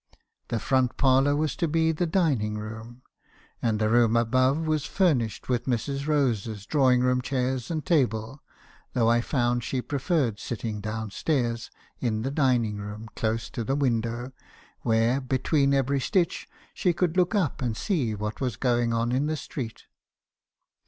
The front parlour was to be the dining room, and the room above was furnished with Mrs. Rose's drawing room chairs and table, though I found she preferred sitting downstairs in the dining room, close to the window, where , between every stitch, she could look up and see what was going on in the street.